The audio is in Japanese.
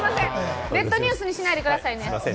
ネットニュースにしないでくださいね！